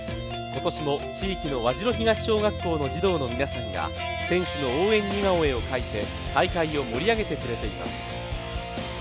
今年も地域の和白東小学校の児童の皆さんが選手の応援似顔絵を描いて大会を盛り上げてくれています。